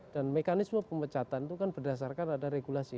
dan mekanisme pemecatan itu kan berdasarkan ada regulasi